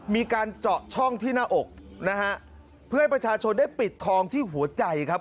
มีการเจาะช่องที่หน้าอกนะฮะเพื่อให้ประชาชนได้ปิดทองที่หัวใจครับ